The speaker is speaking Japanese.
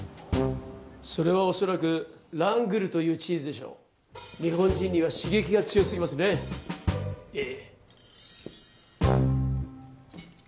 ・それは恐らくラングルというチーズでしょう日本人には刺激が強すぎますねええ